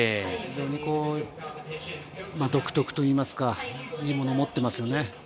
非常に独特といいますか、いいものを持っていますね。